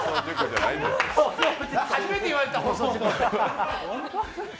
初めて言われて放送事故って。